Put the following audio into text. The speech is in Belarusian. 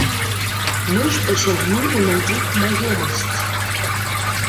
Мы ж пасягнулі на іх маёмасць.